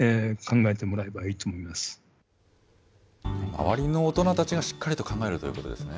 周りの大人たちがしっかりと考えるということですね。